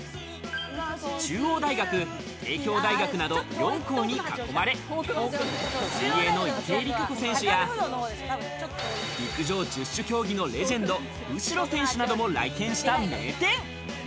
中央大学、帝京大学など４校に囲まれ、水泳の池江璃花子選手や陸上十種競技のレジェンド・右代選手なども来店した名店。